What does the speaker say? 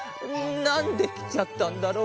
なんできちゃったんだろう。